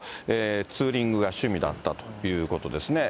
ツーリングが趣味だったということですね。